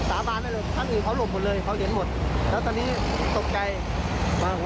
ผมสาบานให้เลยคันอื่นเขาหลบหมดเลยเขาเห็นหมด